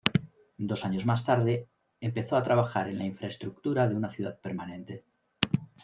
Dos años más tarde, empezó a trabajar en la infraestructura de una ciudad permanente.